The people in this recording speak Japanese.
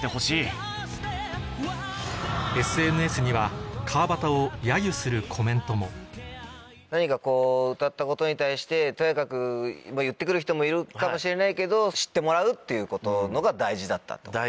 ＳＮＳには川畑を揶揄するコメントも何か歌ったことに対してとやかく言って来る人もいるかもしれないけど知ってもらうっていうことのほうが大事だったと。